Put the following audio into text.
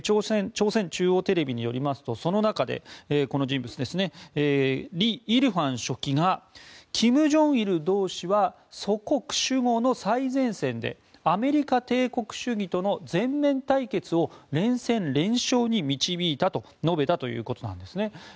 朝鮮中央テレビによりますとその中で、この人物ですねリ・イルファン書記が金正日同志は祖国守護の最前線でアメリカ帝国主義との全面対決を連戦連勝に導いたと述べたということなんですね。